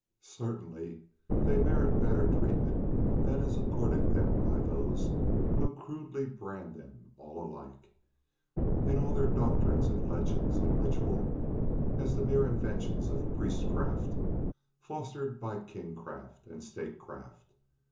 Certainly they merit better treatment than is accorded them by those who crudely brand them all alike, in all their doctrines and legends and ritual, as the mere inventions of priestcraft fostered by kingcraft and statecraft.